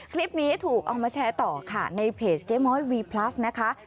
คลิปนี้ถูกเอามาแชร์ต่อค่ะในเพจเจ๊ม้อยวีพลัสนะคะ